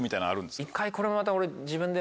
一回これもまた俺。